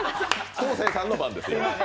昴生さんの番です。